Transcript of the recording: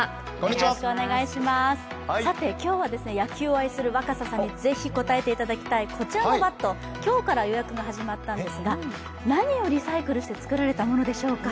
今日は野球を愛する若狭さんに是非答えていただきたいこちらのバット、今日から予約が始まったんですが、何をリサイクルして作られたものでしょうか？